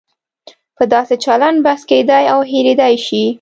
په داسې چلن بحث کېدای او هېریدای شي.